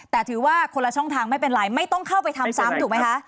แต่ถือว่าคนละช่องทางไม่เป็นไรไม่ต้องเข้าไปทำซ้ำถูกไหมคะ